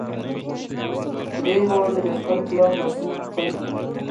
درې واړو د خپل پلار لاسونه ښکل کړل.